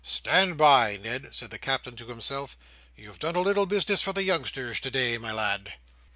"Stand by, Ned!" said the Captain to himself. "You've done a little business for the youngsters today, my lad!"